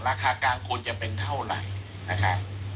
ราคาการควรจะเป็นเท่าไหร่